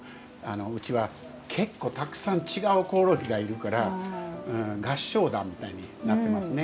うちは結構たくさん違うコオロギがいるから合唱団みたいになってますね。